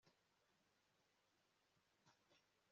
Natekereje ko twakemuye ibyo